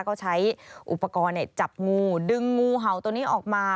ก็ใช้อุปกรณ์จับงูดึงงูเห่าตัวนี้ออกมา